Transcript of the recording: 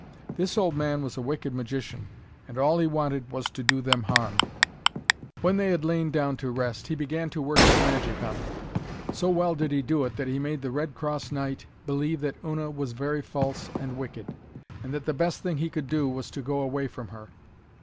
This old man was a wicked magician, and all he wanted was to do them harm. When they had lain down to rest, he began to work his magic on them. So well did he do it, that he made the Red Cross Knight believe that Una was very false and wicked, and that the best thing he could do was to go away from her.